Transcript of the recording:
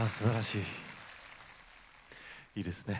いいですね